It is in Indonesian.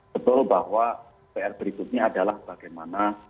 betul bahwa pr berikutnya adalah bagaimana